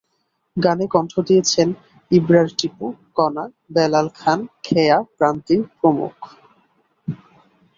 গানে কণ্ঠ দিয়েছেন ইবরার টিপু, কনা, বেলাল খান, খেয়া, প্রান্তি প্রমুখ।